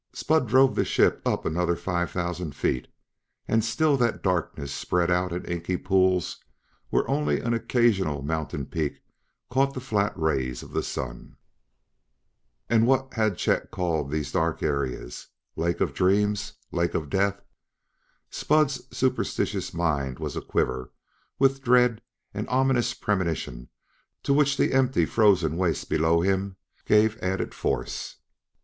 Spud drove the ship up another five thousand feet, and still that darkness spread out in inky pools where only an occasional mountain peak caught the flat rays of the sun. And what had Chet called these dark areas? "Lake of Dreams" and "Lake of Death." Spud's superstitious mind was a quiver with dread and an ominous premonition to which the empty, frozen wastes below him gave added force.